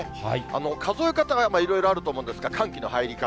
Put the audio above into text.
数え方はいろいろあると思うんですけれども、寒気の入り方。